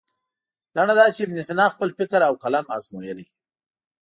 لنډه دا چې ابن سینا خپل فکر او قلم ازمویلی.